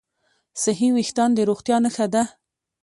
صحي وېښتيان د روغتیا نښه ده.